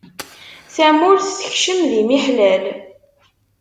Tamurt tekcem di miḥlal.